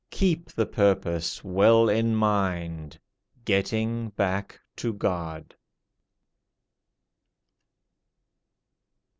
Keep the purpose well in mind,— Getting back to God.